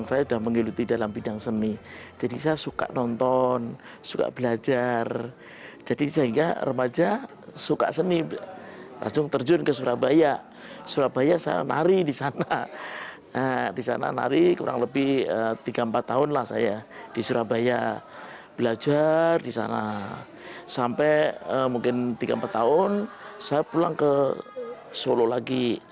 sampai mungkin tiga empat tahun saya pulang ke solo lagi